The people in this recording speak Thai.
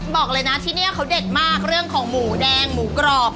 บอกเลยนะที่นี่เขาเด็ดมากเรื่องของหมูแดงหมูกรอบ